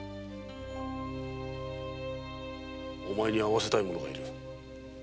お前に会わせたい者がいる。